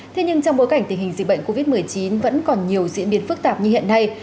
thế nhưng trong bối cảnh tình hình dịch bệnh covid một mươi chín vẫn còn nhiều diễn biến phức tạp như hiện nay